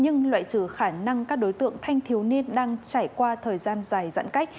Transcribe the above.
nhưng loại trừ khả năng các đối tượng thanh thiếu niên đang trải qua thời gian dài giãn cách